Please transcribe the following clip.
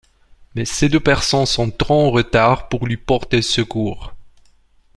Mais ces deux personnes sont trop en retard pour lui porter secours...